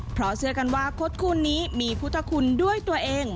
เพราะเชื่อกันว่าคดคู่นี้มีพุทธคุณด้วยตัวเอง